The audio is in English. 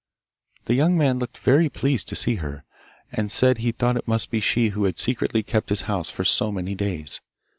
The young man looked very pleased to see her, and said he thought it must be she who had secretly kept his house for so many days.